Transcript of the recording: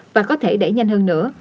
và có thể đẩy nhanh hơn nữa